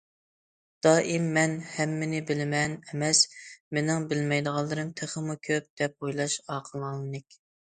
دائىم« مەن ھەممىنى بىلىمەن» ئەمەس،« مېنىڭ بىلمەيدىغانلىرىم تېخىمۇ كۆپ» دەپ ئويلاش ئاقىلانىلىك.